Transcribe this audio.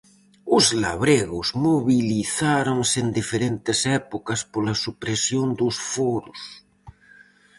Os labregos mobilizáronse en diferentes épocas pola supresión dos foros.